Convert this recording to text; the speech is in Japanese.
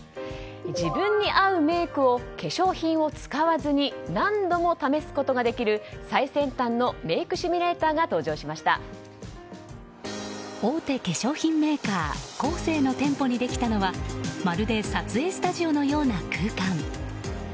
自分に合うメイクを化粧品を使わずに何度も試すことができる最先端のメイクシミュレーターが大手化粧品メーカーコーセーの店舗にできたのはまるで撮影スタジオのような空間。